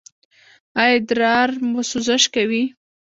ایا ادرار مو سوزش کوي؟